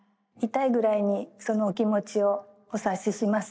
痛いぐらいにそのお気持ちをお察しします。